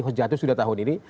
jatuh sudah tahun ini